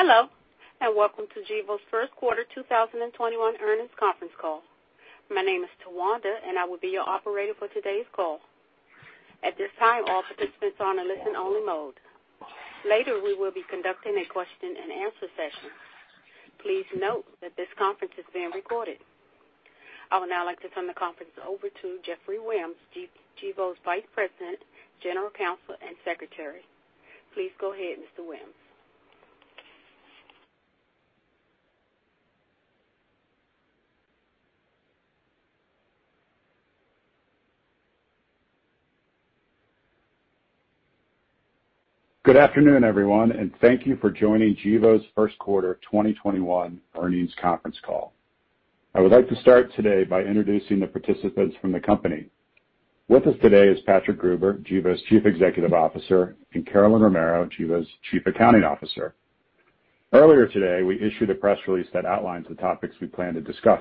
Hello, welcome to Gevo's First Quarter 2021 Earnings Conference Call. My name is Towanda, and I will be your operator for today's call. At this time, all participants are on a listen-only mode. Later, we will be conducting a question-and-answer session. Please note that this conference is being recorded. I would now like to turn the conference over to Geoffrey Williams, Gevo's Vice President, General Counsel, and Secretary. Please go ahead, Mr. Williams. Good afternoon, everyone, and thank you for joining Gevo's first quarter 2021 earnings conference call. I would like to start today by introducing the participants from the company. With us today is Patrick Gruber, Gevo's Chief Executive Officer, and Carolyn Romero, Gevo's Chief Accounting Officer. Earlier today, we issued a press release that outlines the topics we plan to discuss.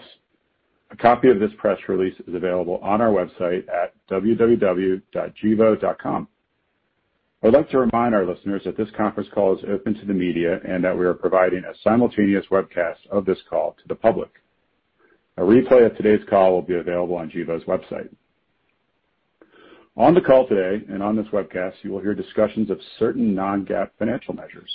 A copy of this press release is available on our website at www.gevo.com. I would like to remind our listeners that this conference call is open to the media and that we are providing a simultaneous webcast of this call to the public. A replay of today's call will be available on Gevo's website. On the call today, and on this webcast, you will hear discussions of certain non-GAAP financial measures.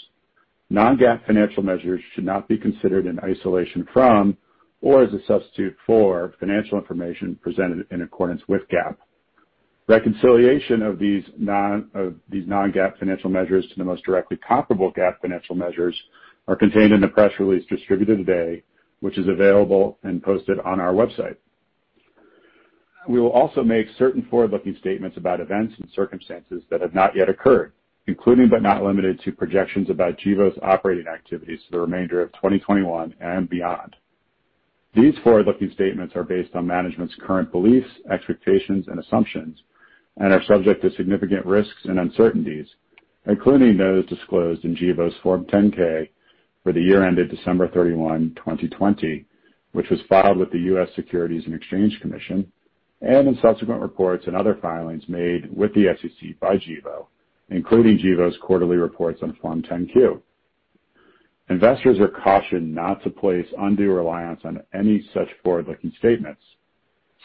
Non-GAAP financial measures should not be considered in isolation from or as a substitute for financial information presented in accordance with GAAP. Reconciliation of these non-GAAP financial measures to the most directly comparable GAAP financial measures are contained in the press release distributed today, which is available and posted on our website. We will also make certain forward-looking statements about events and circumstances that have not yet occurred, including but not limited to projections about Gevo's operating activities for the remainder of 2021 and beyond. These forward-looking statements are based on management's current beliefs, expectations, and assumptions, and are subject to significant risks and uncertainties, including those disclosed in Gevo's Form 10-K for the year ended December 31, 2020, which was filed with the U.S. Securities and Exchange Commission, and in subsequent reports and other filings made with the SEC by Gevo, including Gevo's quarterly reports on Form 10-Q. Investors are cautioned not to place undue reliance on any such forward-looking statements.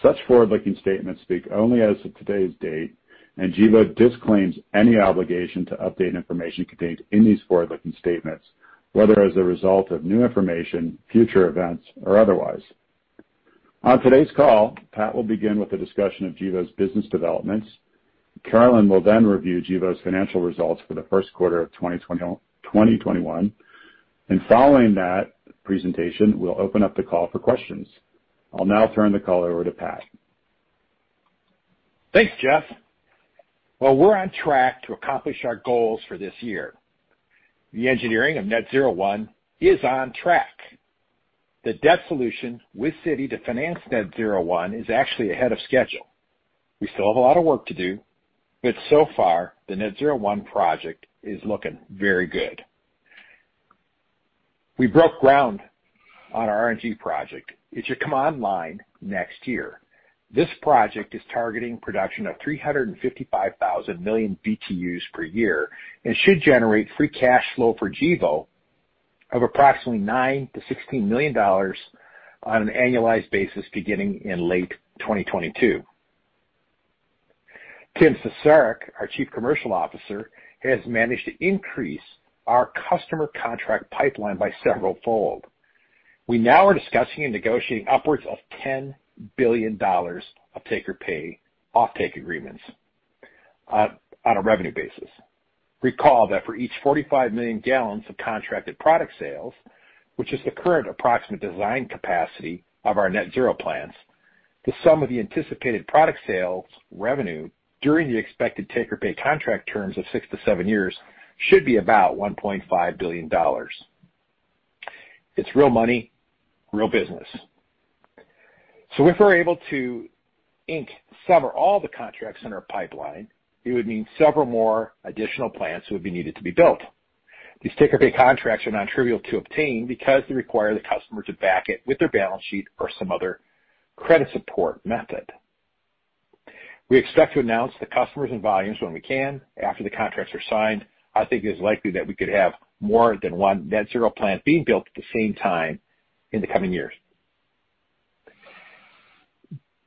Such forward-looking statements speak only as of today's date, and Gevo disclaims any obligation to update information contained in these forward-looking statements, whether as a result of new information, future events, or otherwise. On today's call, Pat will begin with a discussion of Gevo's business developments. Carolyn will then review Gevo's financial results for the first quarter of 2021. Following that presentation, we'll open up the call for questions. I'll now turn the call over to Pat. Thanks, Geoff. Well, we're on track to accomplish our goals for this year. The engineering of Net-Zero 1 is on track. The debt solution with Citi to finance Net-Zero 1 is actually ahead of schedule. We still have a lot of work to do, but so far, the Net-Zero 1 project is looking very good. We broke ground on our RNG project. It should come online next year. This project is targeting production of 355,000 million BTUs per year and should generate free cash flow for Gevo of approximately $9 million-$16 million on an annualized basis beginning in late 2022. Tim Cesarek, our Chief Commercial Officer, has managed to increase our customer contract pipeline by severalfold. We now are discussing and negotiating upwards of $10 billion of take-or-pay offtake agreements on a revenue basis. Recall that for each 45 Mgal of contracted product sales, which is the current approximate design capacity of our Net-Zero plants, the sum of the anticipated product sales revenue during the expected take-or-pay contract terms of six to seven years should be about $1.5 billion. It's real money, real business. If we're able to ink some or all the contracts in our pipeline, it would mean several more additional plants would be needed to be built. These take-or-pay contracts are nontrivial to obtain because they require the customer to back it with their balance sheet or some other credit support method. We expect to announce the customers and volumes when we can after the contracts are signed. I think it is likely that we could have more than one Net-Zero plant being built at the same time in the coming years.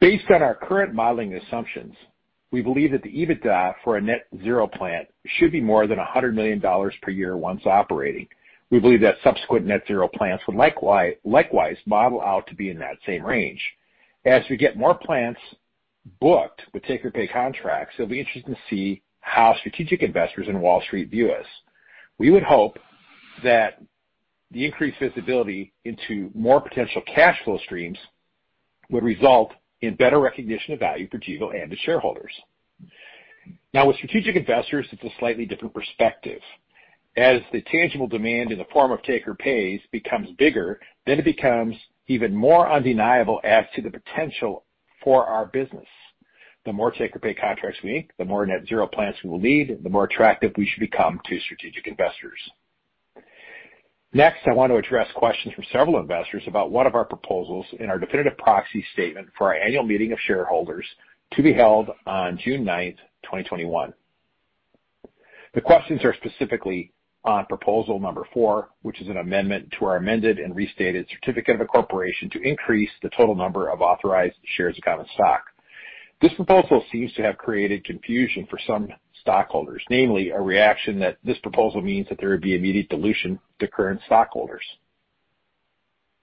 Based on our current modeling assumptions, we believe that the EBITDA for a Net-Zero plant should be more than $100 million per year once operating. We believe that subsequent Net-Zero plants would likewise model out to be in that same range. As we get more plants booked with take-or-pay contracts, it'll be interesting to see how strategic investors in Wall Street view us. We would hope that the increased visibility into more potential cash flow streams would result in better recognition of value for Gevo and its shareholders. Now with strategic investors, it's a slightly different perspective. As the tangible demand in the form of take-or-pays becomes bigger, then it becomes even more undeniable as to the potential for our business. The more take-or-pay contracts we ink, the more Net-Zero plants we will need, the more attractive we should become to strategic investors. Next, I want to address questions from several investors about one of our proposals in our definitive proxy statement for our annual meeting of shareholders to be held on June 9th, 2021. The questions are specifically on proposal number 4, which is an amendment to our amended and restated certificate of incorporation to increase the total number of authorized shares of common stock. This proposal seems to have created confusion for some stockholders, namely, a reaction that this proposal means that there would be immediate dilution to current stockholders.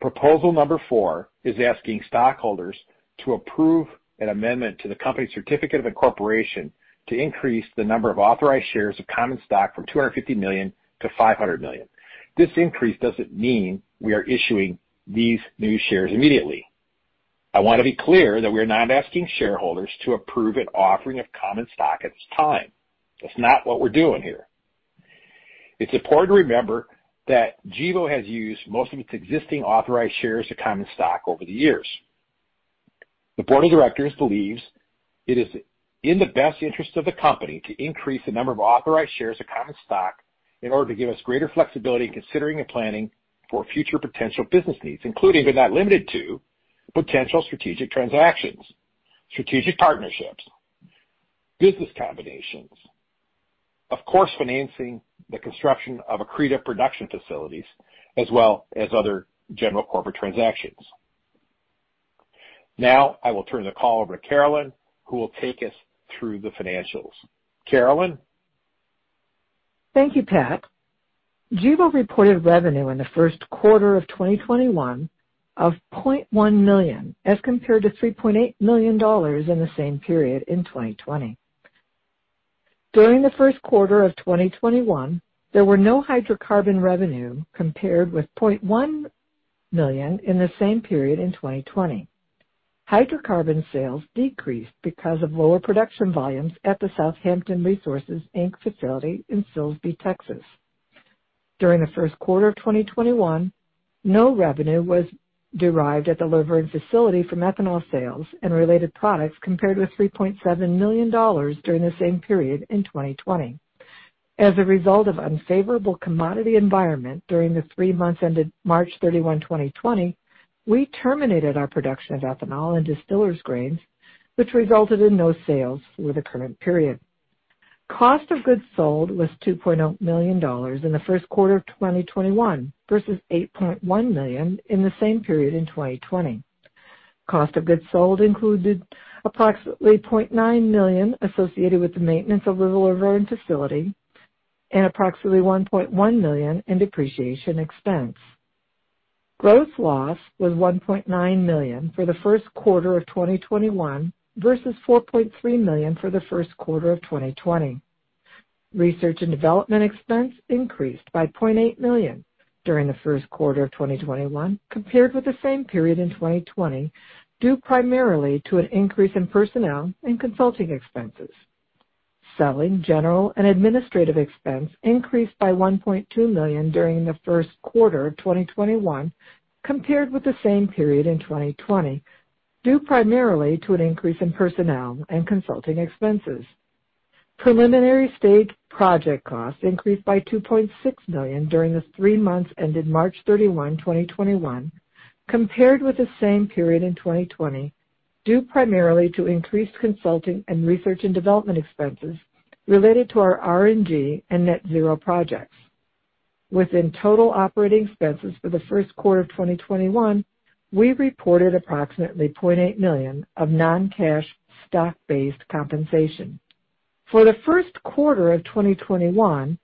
Proposal number 4 is asking stockholders to approve an amendment to the company certificate of incorporation to increase the number of authorized shares of common stock from 250 million-500 million. This increase doesn't mean we are issuing these new shares immediately. I want to be clear that we're not asking shareholders to approve an offering of common stock at this time. That's not what we're doing here. It's important to remember that Gevo has used most of its existing authorized shares of common stock over the years. The board of directors believes it is in the best interest of the company to increase the number of authorized shares of common stock in order to give us greater flexibility in considering and planning for future potential business needs, including but not limited to potential strategic transactions, strategic partnerships, business combinations, of course, financing the construction of accretive production facilities, as well as other general corporate transactions. Now, I will turn the call over to Carolyn, who will take us through the financials. Carolyn? Thank you, Pat. Gevo reported revenue in the first quarter of 2021 of $0.1 million, as compared to $3.8 million in the same period in 2020. During the first quarter of 2021, there were no hydrocarbon revenue, compared with $0.1 million in the same period in 2020. Hydrocarbon sales decreased because of lower production volumes at the South Hampton Resources, Inc. facility in Silsbee, Texas. During the first quarter of 2021, no revenue was derived at the Luverne facility from ethanol sales and related products, compared with $3.7 million during the same period in 2020. As a result of unfavorable commodity environment during the three months ended March 31, 2020, we terminated our production of ethanol and distillers' grains, which resulted in no sales for the current period. Cost of goods sold was $2.0 million in the first quarter of 2021 versus $8.1 million in the same period in 2020. Cost of goods sold included approximately $0.9 million associated with the maintenance of the Luverne facility and approximately $1.1 million in depreciation expense. Gross loss was $1.9 million for the first quarter of 2021 versus $4.3 million for the first quarter of 2020. Research and development expense increased by $0.8 million during the first quarter of 2021 compared with the same period in 2020, due primarily to an increase in personnel and consulting expenses. Selling, general and administrative expense increased by $1.2 million during the first quarter of 2021 compared with the same period in 2020, due primarily to an increase in personnel and consulting expenses. Preliminary stage project costs increased by $2.6 million during the three months ended March 31, 2021 compared with the same period in 2020, due primarily to increased consulting and research and development expenses related to our RNG and Net-Zero projects. Within total operating expenses for the first quarter of 2021, we reported approximately $0.8 million of non-cash stock-based compensation. For the first quarter of 2021,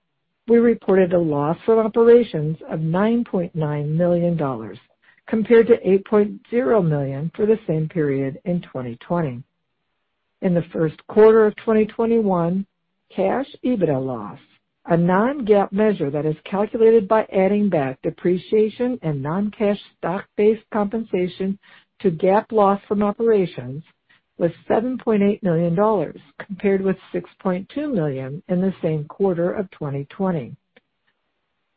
we reported a loss on operations of $9.9 million compared to $8.0 million for the same period in 2020. In the first quarter of 2021, cash EBITDA loss, a non-GAAP measure that is calculated by adding back depreciation and non-cash stock-based compensation to GAAP loss from operations, was $7.8 million, compared with $6.2 million in the same quarter of 2020.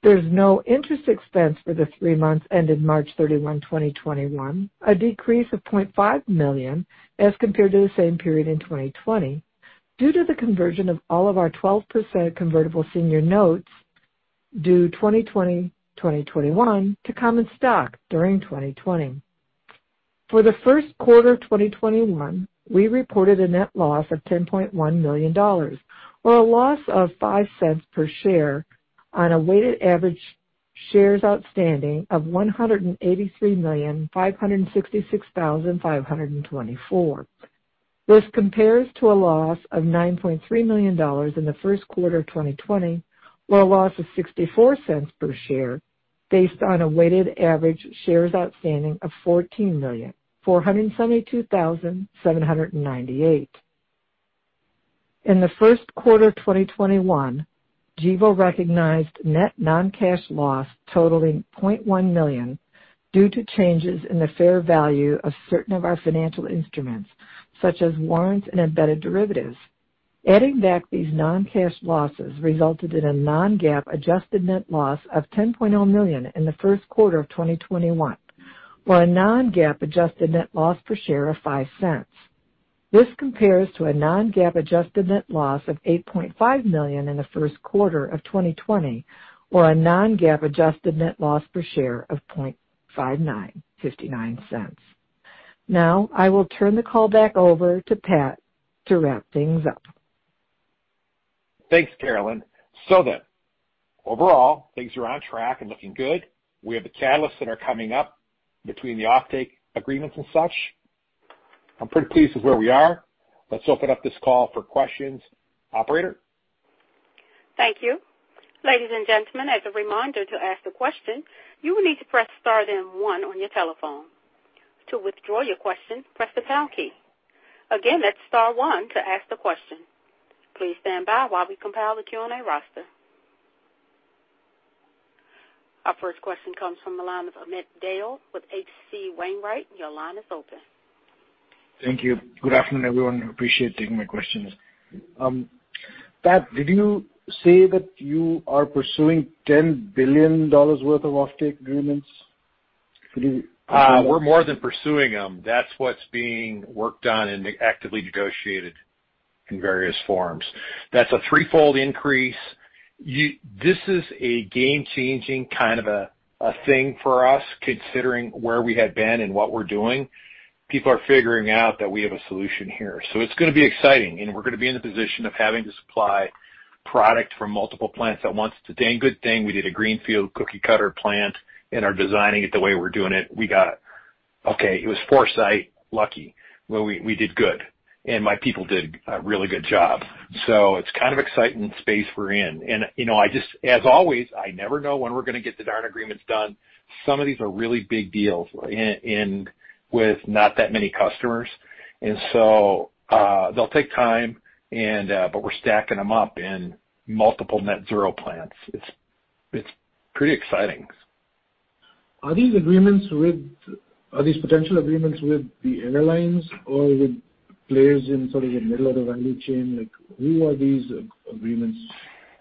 There's no interest expense for the three months ended March 31, 2021, a decrease of $0.5 million as compared to the same period in 2020, due to the conversion of all of our 12% convertible senior notes due 2020-2021 to common stock during 2020. For the first quarter of 2021, we reported a net loss of $10.1 million, or a loss of $0.05 per share on a weighted average shares outstanding of 183,566,524. This compares to a loss of $9.3 million in the first quarter of 2020, or a loss of $0.64 per share based on a weighted average shares outstanding of 14,472,798. In the first quarter of 2021, Gevo recognized net non-cash loss totaling $0.1 million due to changes in the fair value of certain of our financial instruments, such as warrants and embedded derivatives. Adding back these non-cash losses resulted in a non-GAAP adjusted net loss of $10.0 million in the first quarter of 2021, or a non-GAAP adjusted net loss per share of $0.05. This compares to a non-GAAP adjusted net loss of $8.5 million in the first quarter of 2020, or a non-GAAP adjusted net loss per share of $0.59. I will turn the call back over to Pat to wrap things up. Thanks, Carolyn. Overall, things are on track and looking good. We have the catalysts that are coming up between the offtake agreements and such. I'm pretty pleased with where we are. Let's open up this call for questions. Operator? Thank you. Ladies and gentlemen, as a reminder, to ask a question, you will need to press star then one on your telephone. To withdraw your question, press the pound key. Again, that's star one to ask the question. Please stand by while we compile the Q&A roster. Our first question comes from the line of Amit Dayal with H.C. Wainwright. Your line is open. Thank you. Good afternoon, everyone. Appreciate taking my questions. Pat, did you say that you are pursuing $10 billion worth of offtake agreements? We're more than pursuing them. That's what's being worked on and actively negotiated in various forms. That's a threefold increase. This is a game-changing kind of a thing for us, considering where we had been and what we're doing. People are figuring out that we have a solution here. It's going to be exciting, and we're going to be in the position of having to supply product from multiple plants at once. Today, good thing we did a greenfield cookie-cutter plant and are designing it the way we're doing it. We got it. Okay, it was foresight, lucky. Well, we did good. My people did a really good job. It's kind of an exciting space we're in. As always, I never know when we're going to get the darn agreements done. Some of these are really big deals with not that many customers. They'll take time, but we're stacking them up in multiple Net-Zero plants. It's pretty exciting. Are these potential agreements with the airlines or with players in sort of the middle of the value chain? Who are these agreements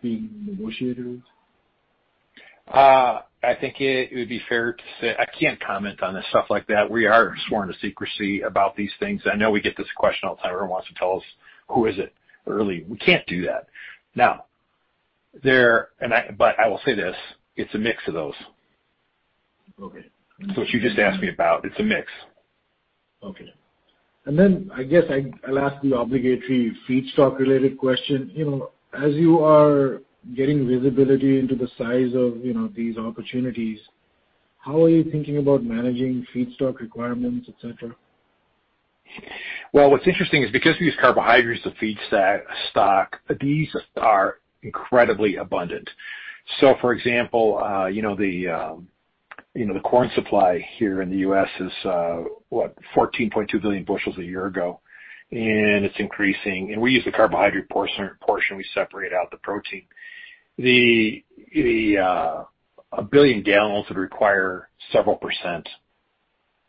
being negotiated with? I think it would be fair to say I can't comment on this stuff like that. We are sworn to secrecy about these things. I know we get this question all the time. Everyone wants to tell us who is it early. We can't do that. I will say this, it's a mix of those. Okay. What you just asked me about, it's a mix. Okay. I guess I'll ask the obligatory feedstock-related question. As you are getting visibility into the size of these opportunities, how are you thinking about managing feedstock requirements, et cetera? What's interesting is because these carbohydrates are feedstock, these are incredibly abundant. For example, the corn supply here in the U.S. is, what, 14.2 billion bu a year ago, and it's increasing. We use the carbohydrate portion. We separate out the protein. 1 billion gal would require several percent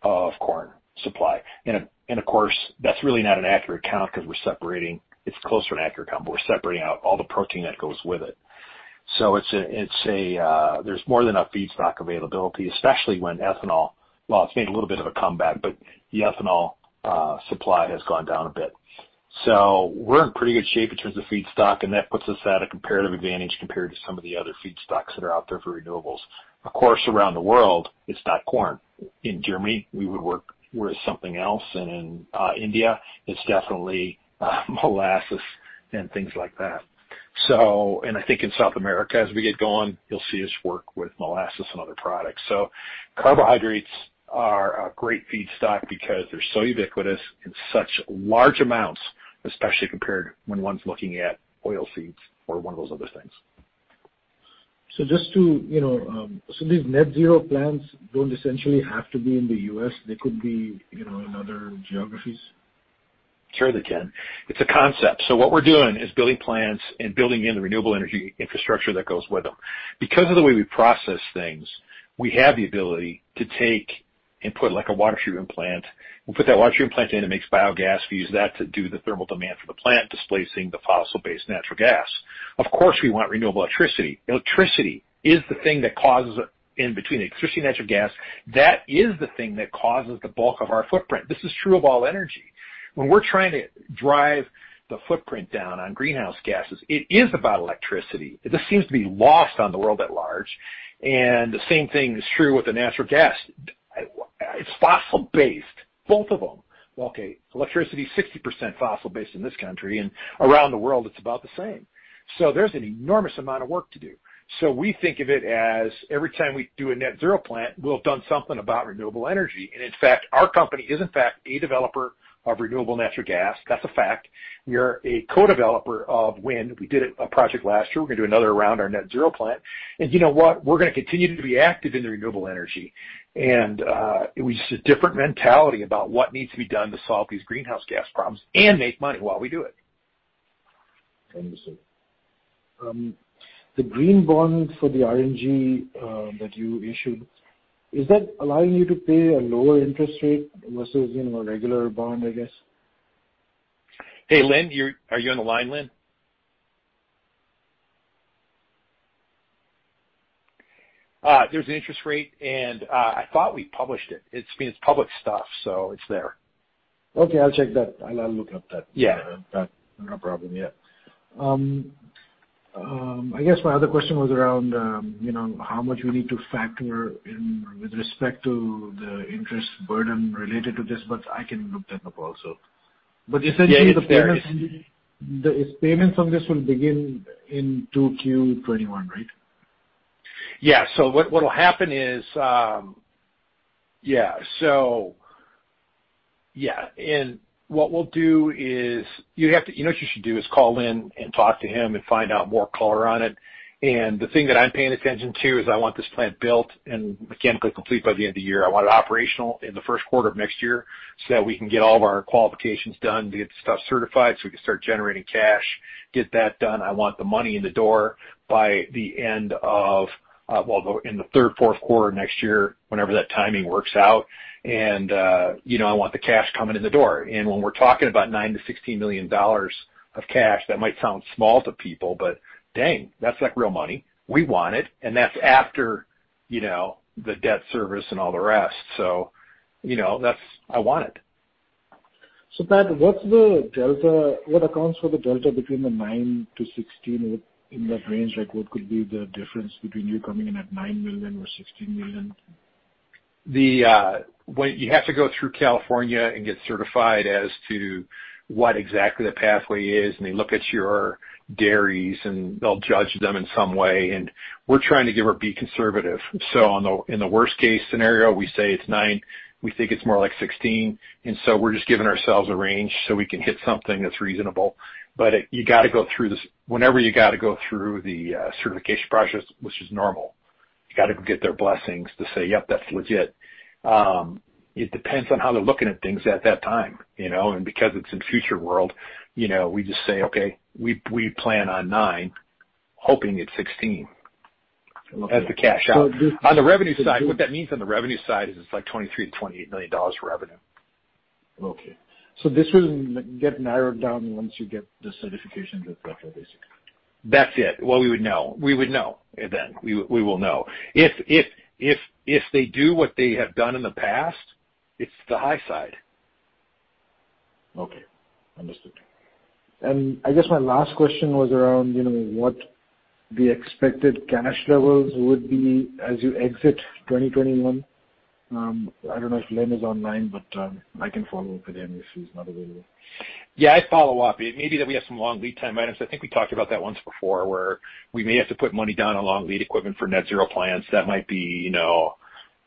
of corn supply. Of course, that's really not an accurate count because we're separating. It's close to an accurate count, but we're separating out all the protein that goes with it. There's more than enough feedstock availability, especially when ethanol, well, it's made a little bit of a comeback, but the ethanol supply has gone down a bit. We're in pretty good shape in terms of feedstock, and that puts us at a comparative advantage compared to some of the other feedstocks that are out there for renewables. Of course, around the world, it's not corn. In Germany, we would work with something else, and in India, it's definitely molasses and things like that. I think in South America, as we get going, you'll see us work with molasses and other products. Carbohydrates are a great feedstock because they're so ubiquitous in such large amounts, especially compared when one's looking at oil seeds or one of those other things. These Net-Zero plants don't essentially have to be in the U.S. They could be in other geographies? Sure they can. It's a concept. What we're doing is building plants and building in the renewable energy infrastructure that goes with them. Because of the way we process things, we have the ability to take input like a wastewater plant and put that wastewater plant in. It makes biogas. We use that to do the thermal demand for the plant, displacing the fossil-based natural gas. Of course, we want renewable electricity. Electricity is the thing that causes in between electricity and natural gas. That is the thing that causes the bulk of our footprint. This is true of all energy. When we're trying to drive the footprint down on greenhouse gases, it is about electricity. This seems to be lost on the world at large, and the same thing is true with the natural gas. It's fossil-based, both of them. Well, okay, electricity is 60% fossil-based in this country, and around the world it's about the same. There's an enormous amount of work to do. We think of it as every time we do a Net-Zero plant, we'll have done something about renewable energy. In fact, our company is, in fact, a developer of renewable natural gas. That's a fact. We are a co-developer of wind. We did a project last year. We're going to do another around our Net-Zero plant. You know what? We're going to continue to be active in the renewable energy. It was just a different mentality about what needs to be done to solve these greenhouse gas problems and make money while we do it. Understood. The green bond for the RNG that you issued, is that allowing you to pay a lower interest rate versus a regular bond, I guess? Hey, Lynn, are you on the line, Lynn? There's an interest rate, and I thought we published it. It's public stuff, so it's there. Okay. I'll check that. I'll look up that. Yeah. No problem. Yeah. I guess my other question was around how much we need to factor in with respect to the interest burden related to this, but I can look that up also. Yeah, it's there. Essentially the payments on this will begin in 2Q 2021, right? Yeah. You know what you should do is call in and talk to him and find out more color on it. The thing that I'm paying attention to is I want this plant built and mechanically complete by the end of the year. I want it operational in the first quarter of next year so that we can get all of our qualifications done to get the stuff certified so we can start generating cash, get that done. I want the money in the door in the third, fourth quarter of next year, whenever that timing works out. I want the cash coming in the door. When we're talking about $9 million-$16 million of cash, that might sound small to people, but dang, that's like real money. We want it. That's after the debt service and all the rest. I want it. Pat, what accounts for the delta between the $9 million-$16 million in that range? What could be the difference between you coming in at $9 million or $16 million? You have to go through California and get certified as to what exactly the pathway is, and they look at your dairies, and they'll judge them in some way. We're trying to be conservative. In the worst case scenario, we say it's $9 million. We think it's more like $16 million. We're just giving ourselves a range so we can hit something that's reasonable. Whenever you got to go through the certification process, which is normal, you got to get their blessings to say, "Yes, that's legit." It depends on how they're looking at things at that time. Because it's in future world, we just say, "Okay, we plan on $9 million hoping it's $16 million as the cash out." On the revenue side, what that means on the revenue side is it's like $23 million-$28 million for revenue. Okay. This will get narrowed down once you get the certification with California. That's it. Well, we would know. We will know. If they do what they have done in the past, it's the high side. Okay. Understood. I guess my last question was around what the expected cash levels would be as you exit 2021. I don't know if Lynn is online, but I can follow up with him if he's not available. Yeah, I'd follow up. It may be that we have some long lead time items. I think we talked about that once before, where we may have to put money down for long lead equipment for Net-Zero plants. That might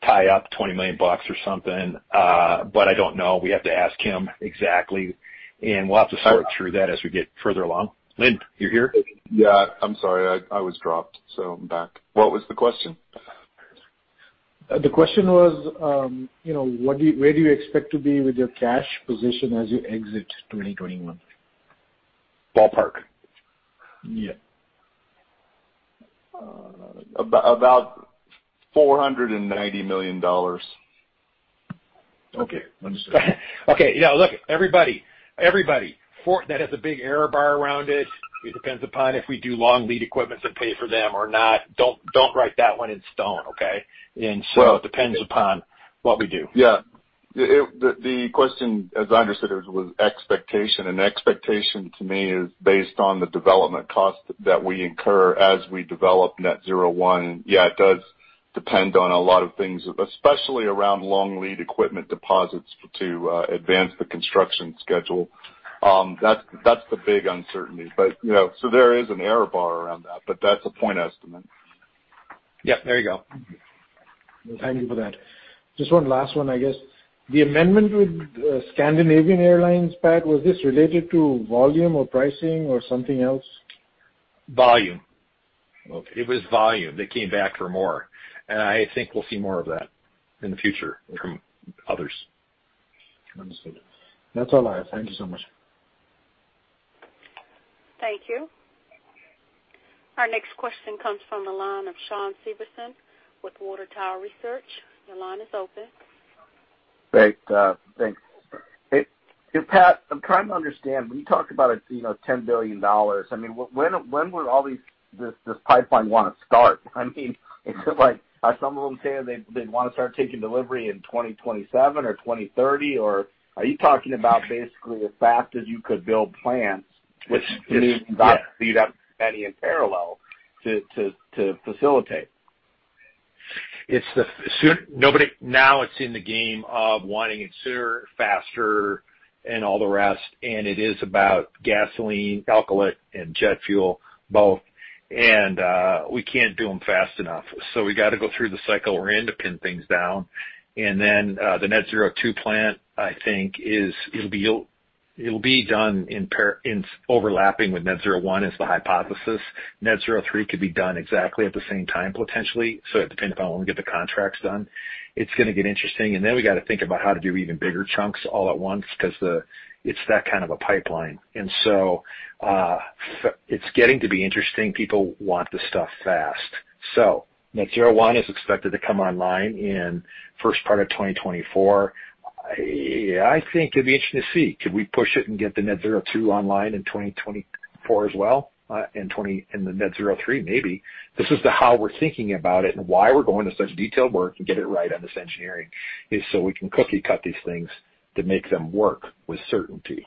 tie up $20 million or something. I don't know. We have to ask him exactly, and we'll have to sort through that as we get further along. Lynn, you're here? Yeah. I'm sorry, I was dropped. I'm back. What was the question? The question was where do you expect to be with your cash position as you exit 2021? Ballpark? Yeah. About $490 million. Okay. Understood. Okay. Look, everybody, that has a big error bar around it. It depends upon if we do long lead equipments and pay for them or not. Don't write that one in stone, okay? It depends upon what we do. The question, as I understood it, was expectation. Expectation to me is based on the development cost that we incur as we develop Net-Zero 1. It does depend on a lot of things, especially around long lead equipment deposits to advance the construction schedule. That's the big uncertainty. There is an error bar around that, but that's a point estimate. Yes. There you go. Thank you for that. Just one last one, I guess. The amendment with Scandinavian Airlines, Pat, was this related to volume or pricing or something else? Volume. Okay. It was volume. They came back for more. I think we'll see more of that in the future from others. Understood. That's all I have. Thank you so much. Thank you. Our next question comes from the line of Shawn Severson with Water Tower Research. Your line is open. Great. Thanks. Hey Pat, I'm trying to understand, when you talked about $10 billion, when would this pipeline want to start? Are some of them saying they'd want to start taking delivery in 2027 or 2030 or are you talking about basically as fast as you could build plants? Which means you'd have many in parallel to facilitate. It's in the game of wanting it sooner, faster and all the rest. It is about gasoline, alkylate and jet fuel both. We can't do them fast enough. We got to go through the cycle we're in to pin things down. The Net-Zero 2 plant, I think it'll be done overlapping with Net-Zero 1 is the hypothesis. Net-Zero 3 could be done exactly at the same time, potentially. It depends upon when we get the contracts done. It's going to get interesting. We got to think about how to do even bigger chunks all at once because it's that kind of a pipeline. It's getting to be interesting. People want the stuff fast. Net-Zero 1 is expected to come online in first part of 2024. I think it'd be interesting to see. Could we push it and get the Net-Zero 2 online in 2024 as well? The Net-Zero 3, maybe. This is the how we're thinking about it and why we're going to such detailed work to get it right on this engineering is so we can cookie cut these things to make them work with certainty.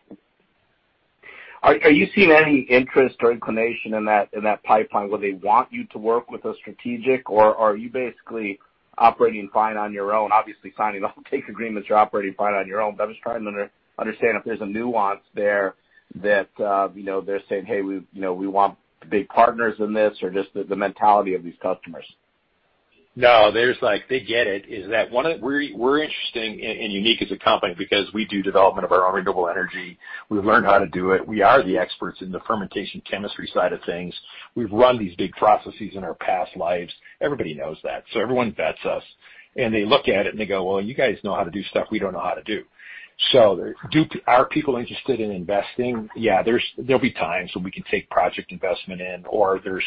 Are you seeing any interest or inclination in that pipeline where they want you to work with a strategic, or are you basically operating fine on your own? Obviously signing offtake agreements, you're operating fine on your own. I'm just trying to understand if there's a nuance there that they're saying, "Hey, we want big partners in this," or just the mentality of these customers. No. They get it. We're interesting and unique as a company because we do development of our own renewable energy. We've learned how to do it. We are the experts in the fermentation chemistry side of things. We've run these big processes in our past lives. Everybody knows that. Everyone vets us, and they look at it and they go, "Well, you guys know how to do stuff we don't know how to do." Are people interested in investing? Yeah. There'll be times when we can take project investment in, or there's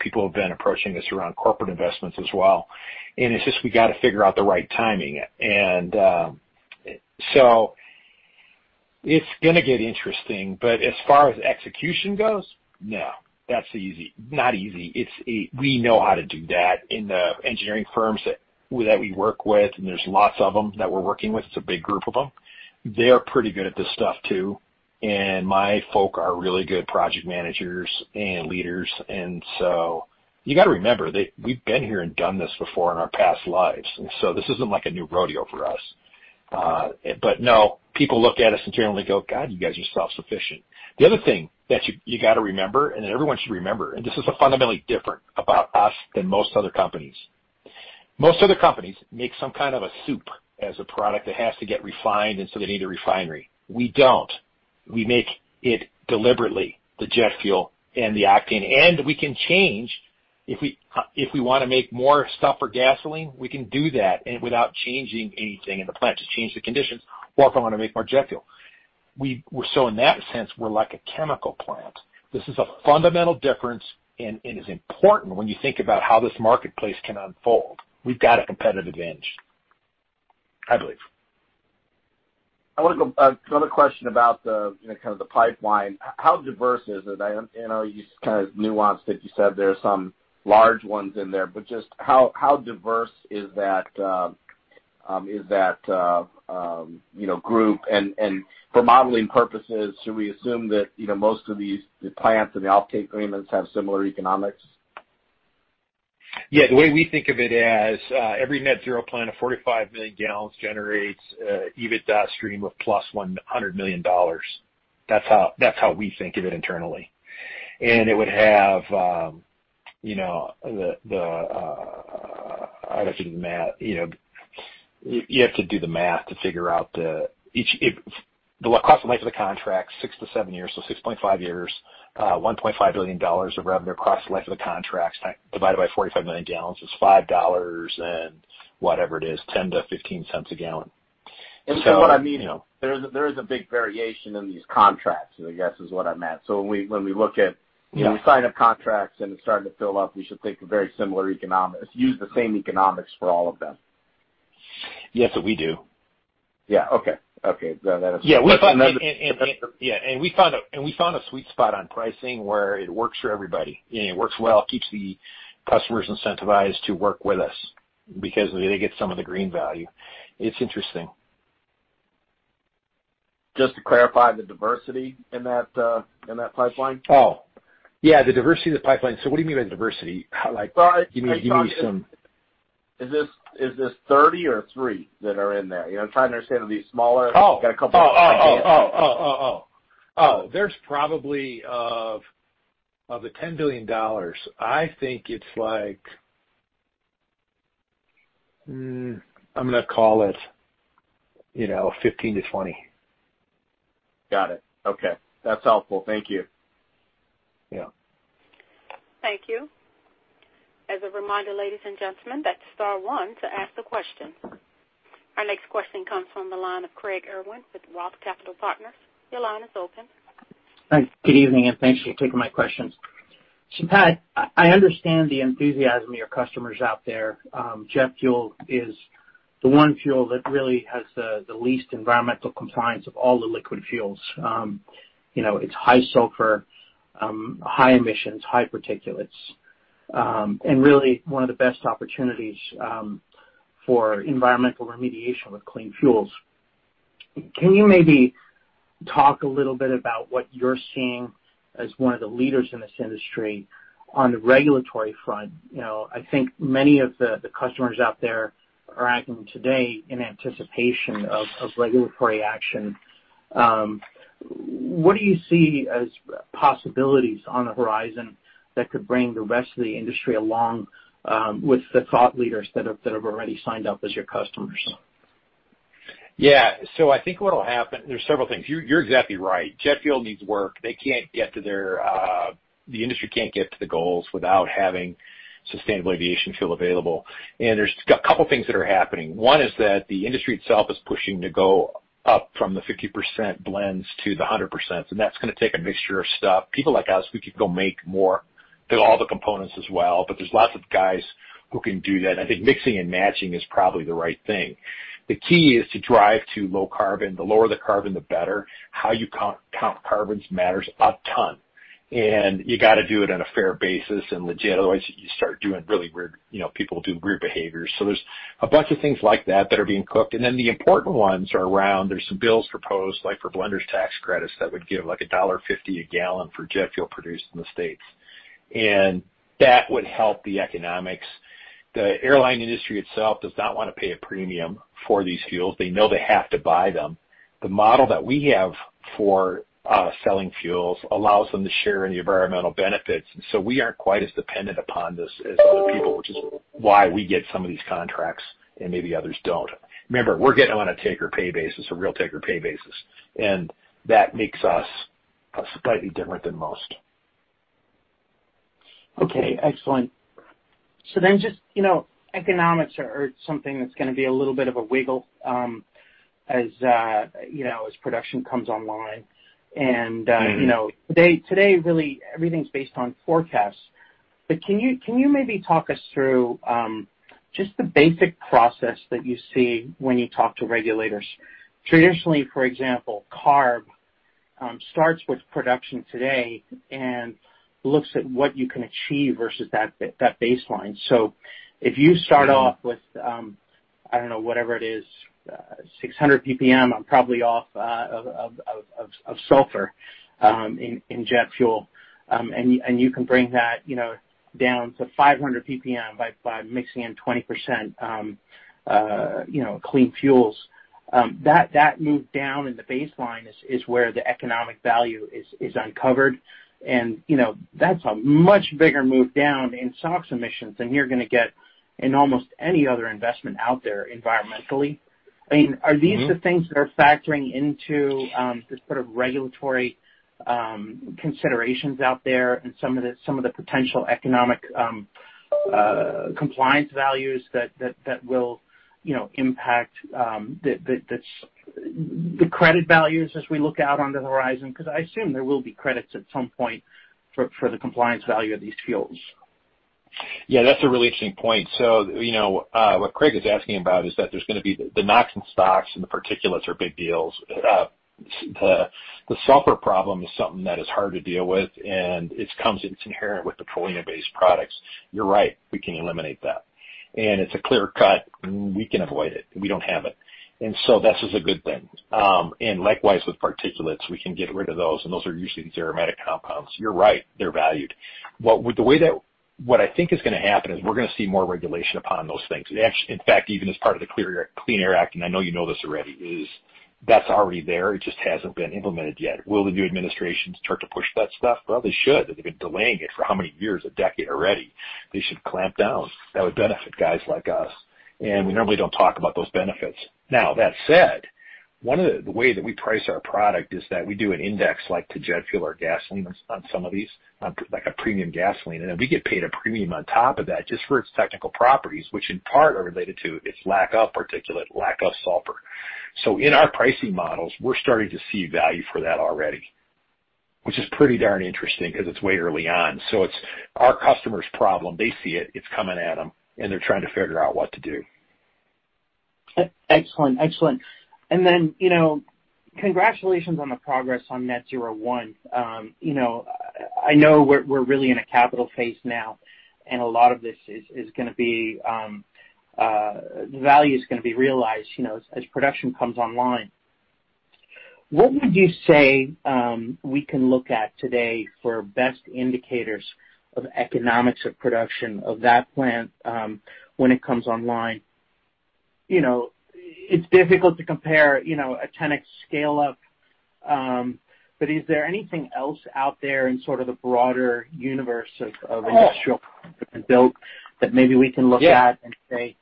people who have been approaching us around corporate investments as well, and it's just we got to figure out the right timing. It's going to get interesting, but as far as execution goes, no. That's easy. Not easy. We know how to do that, and the engineering firms that we work with, and there's lots of them that we're working with, it's a big group of them. They are pretty good at this stuff, too, and my folk are really good project managers and leaders. You got to remember that we've been here and done this before in our past lives, and so this isn't like a new rodeo for us. No, people look at us internally and go, "God, you guys are self-sufficient." The other thing that you got to remember, and everyone should remember, and this is fundamentally different about us than most other companies. Most other companies make some kind of a soup as a product that has to get refined, and so they need a refinery. We don't. We make it deliberately, the jet fuel and the octane. We can change if we want to make more stuff for gasoline, we can do that, without changing anything in the plant, just change the conditions, or if I want to make more jet fuel. In that sense, we're like a chemical plant. This is a fundamental difference, and it is important when you think about how this marketplace can unfold. We've got a competitive edge, I believe. I want to go, another question about the pipeline. How diverse is it? I know you kind of nuanced it. You said there are some large ones in there, but just how diverse is that group? For modeling purposes, should we assume that most of these, the plants and the offtake agreements have similar economics? Yeah. The way we think of it as every Net-Zero plant of 45 Mgal generates an EBITDA stream of $+100 million. That's how we think of it internally. I'd have to do the math. You have to do the math to figure out the cost of the life of the contract, six to seven years, so 6.5 years, $1.5 billion of revenue across the life of the contracts divided by 45 Mgal is $5 and whatever it is, $0.10-$0.15 a gallon. What I mean is there is a big variation in these contracts, I guess is what I meant. Yeah. When we sign up contracts and it's starting to fill up, we should think a very similar economics, use the same economics for all of them. Yes, we do. Yeah. Okay. Yeah. We found a sweet spot on pricing where it works for everybody, and it works well. It keeps the customers incentivized to work with us because they get some of the green value. It's interesting. Just to clarify the diversity in that pipeline? Oh, yeah. The diversity of the pipeline. What do you mean by diversity? Like give me some- Is this 30 or three that are in there? I'm trying to understand, are these smaller? Oh. There's probably of the $10 billion, I think it's like I'm going to call it [$15 billion-$20 billion]. Got it. Okay. That's helpful. Thank you. Yeah. Thank you. As a reminder, ladies and gentlemen, that's star one to ask the question. Our next question comes from the line of Craig Irwin with Roth Capital Partners. Your line is open. Thanks. Good evening, and thanks for taking my questions. Pat, I understand the enthusiasm of your customers out there. Jet fuel is the one fuel that really has the least environmental compliance of all the liquid fuels. It's high sulfur, high emissions, high particulates, and really one of the best opportunities, for environmental remediation with clean fuels. Can you maybe talk a little bit about what you're seeing as one of the leaders in this industry on the regulatory front? I think many of the customers out there are acting today in anticipation of regulatory action. What do you see as possibilities on the horizon that could bring the rest of the industry along with the thought leaders that have already signed up as your customers? Yeah. I think what'll happen, there's several things. You're exactly right. Jet fuel needs work. The industry can't get to the goals without having sustainable aviation fuel available. There's a couple things that are happening. One is that the industry itself is pushing to go up from the 50% blends to the 100%, and that's going to take a mixture of stuff. People like us, we could go make more, build all the components as well, but there's lots of guys who can do that. I think mixing and matching is probably the right thing. The key is to drive to low carbon. The lower the carbon, the better. How you count carbons matters a ton, and you got to do it on a fair basis and legit. Otherwise, you start doing really weird behaviors. There's a bunch of things like that that are being cooked. The important ones are around, there's some bills proposed, like for blenders tax credits, that would give like $1.50 a gallon for jet fuel produced in the States. That would help the economics. The airline industry itself does not want to pay a premium for these fuels. They know they have to buy them. The model that we have for selling fuels allows them to share in the environmental benefits. We aren't quite as dependent upon this as other people, which is why we get some of these contracts and maybe others don't. Remember, we're getting on a take-or-pay basis, a real take-or-pay basis, and that makes us slightly different than most. Okay. Excellent. Just economics are something that's going to be a little bit of a wiggle as production comes online. Today, really, everything's based on forecasts. Can you maybe talk us through just the basic process that you see when you talk to regulators? Traditionally, for example, CARB starts with production today and looks at what you can achieve versus that baseline. If you start off with, I don't know, whatever it is, 600 ppm, I'm probably off, of sulfur in jet fuel. You can bring that down to 500 ppm by mixing in 20% clean fuels. That move down in the baseline is where the economic value is uncovered. That's a much bigger move down in SOx emissions than you're going to get in almost any other investment out there environmentally. I mean. Are these the things that are factoring into the sort of regulatory considerations out there and some of the potential economic compliance values that will impact the credit values as we look out onto the horizon? I assume there will be credits at some point for the compliance value of these fuels. Yeah, that's a really interesting point. What Craig is asking about is that there's going to be the NOx and the SOx and the particulates are big deals. The sulfur problem is something that is hard to deal with, and it's inherent with petroleum-based products. You're right, we can eliminate that. It's a clear cut. We can avoid it. We don't have it. This is a good thing. Likewise with particulates, we can get rid of those, and those are usually these aromatic compounds. You're right, they're valued. What I think is going to happen is we're going to see more regulation upon those things. In fact, even as part of the Clean Air Act, and I know you know this already, is that's already there. It just hasn't been implemented yet. Will the new administrations start to push that stuff? They should. They've been delaying it for how many years? A decade already. They should clamp down. That would benefit guys like us. We normally don't talk about those benefits. Now, that said, one of the ways that we price our product is that we do an index like to jet fuel or gasoline on some of these, like a premium gasoline. Then we get paid a premium on top of that just for its technical properties, which in part are related to its lack of particulate, lack of sulfur. In our pricing models, we're starting to see value for that already, which is pretty darn interesting because it's way early on. It's our customer's problem. They see it's coming at them, and they're trying to figure out what to do. Excellent. Congratulations on the progress on Net-Zero 1. I know we're really in a capital phase now, and a lot of this value is going to be realized as production comes online. What would you say we can look at today for best indicators of economics of production of that plant when it comes online? It's difficult to compare a 10x scale-up, is there anything else out there in sort of the broader universe of industrial that maybe we can look at? Yeah. Say,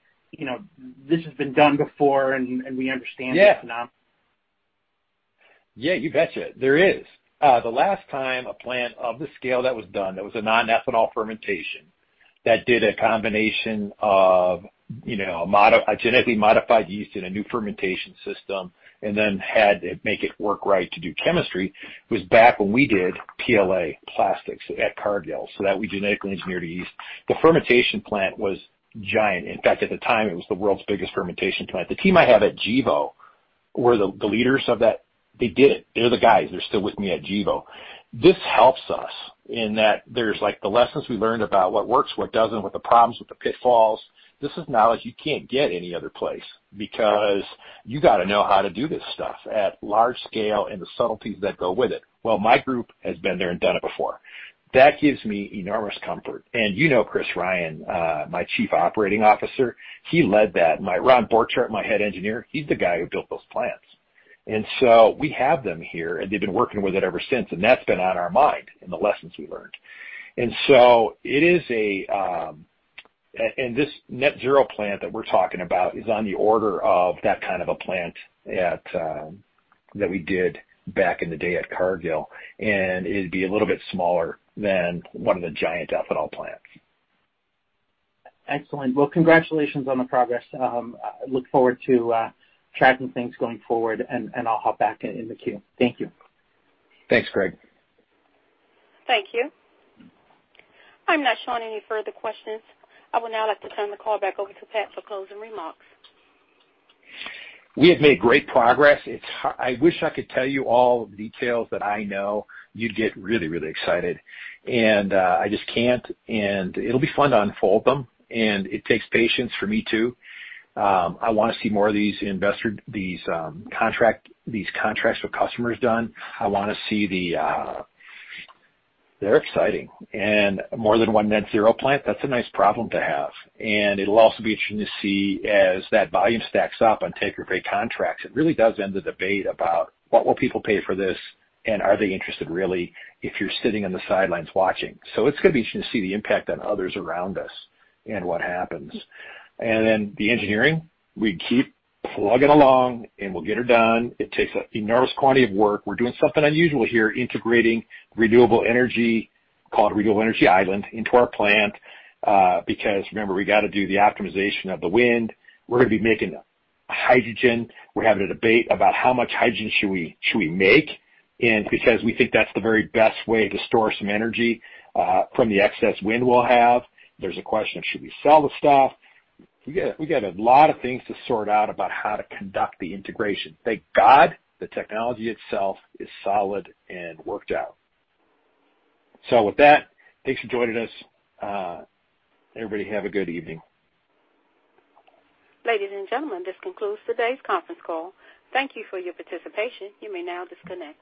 "This has been done before, and we understand the economics. Yeah, you bet you. There is. The last time a plant of this scale that was done that was a non-ethanol fermentation that did a combination of a genetically modified yeast in a new fermentation system and then had to make it work right to do chemistry was back when we did PLA plastics at Cargill. That we genetically engineered a yeast. The fermentation plant was giant. In fact, at the time, it was the world's biggest fermentation plant. The team I have at Gevo were the leaders of that. They did it. They're the guys. They're still with me at Gevo. This helps us in that there's like the lessons we learned about what works, what doesn't, what the problems, what the pitfalls. This is knowledge you can't get any other place because you got to know how to do this stuff at large scale and the subtleties that go with it. Well, my group has been there and done it before. That gives me enormous comfort. You know Chris Ryan, my Chief Operating Officer. He led that. My Ron Borchardt, my head engineer, he's the guy who built those plants. We have them here, and they've been working with it ever since, and that's been on our mind and the lessons we learned. This Net-Zero plant that we're talking about is on the order of that kind of a plant that we did back in the day at Cargill, and it'd be a little bit smaller than one of the giant ethanol plants. Excellent. Well, congratulations on the progress. I look forward to tracking things going forward, and I'll hop back in the queue. Thank you. Thanks, Craig. Thank you. I'm not showing any further questions. I would now like to turn the call back over to Pat for closing remarks. We have made great progress. I wish I could tell you all the details that I know. You'd get really, really excited, and I just can't, and it'll be fun to unfold them, and it takes patience for me, too. I want to see more of these contracts with customers done. They're exciting. More than one Net-Zero plant, that's a nice problem to have. It'll also be interesting to see as that volume stacks up on take-or-pay contracts. It really does end the debate about what will people pay for this and are they interested really if you're sitting on the sidelines watching. It's going to be interesting to see the impact on others around us and what happens. Then the engineering, we keep plugging along, and we'll get her done. It takes an enormous quantity of work. We're doing something unusual here, integrating renewable energy, called Renewable Energy Island, into our plant. Remember, we got to do the optimization of the wind. We're going to be making hydrogen. We're having a debate about how much hydrogen should we make? Because we think that's the very best way to store some energy from the excess wind we'll have. There's a question of should we sell the stuff? We got a lot of things to sort out about how to conduct the integration. Thank God the technology itself is solid and worked out. With that, thanks for joining us. Everybody have a good evening. Ladies and gentlemen, this concludes today's conference call. Thank you for your participation. You may now disconnect.